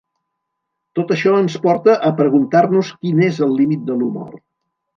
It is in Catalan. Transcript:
Tot això ens porta a preguntar-nos quin és el límit de l’humor.